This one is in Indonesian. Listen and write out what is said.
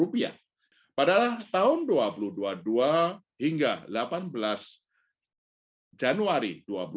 pada tahun dua ribu dua puluh dua hingga delapan belas januari dua ribu dua puluh